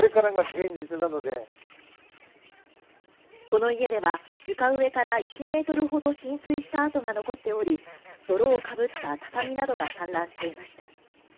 この家では床上から１ｍほど浸水した跡が残っており泥をかぶった畳などが散乱していました。